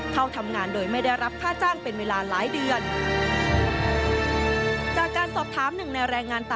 เข้าทำงานโดยไม่ได้รับค่าจ้างเป็นเวลาหลายเดือน